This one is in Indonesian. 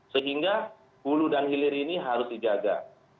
sehingga hulu dan hilir ini harus dijaga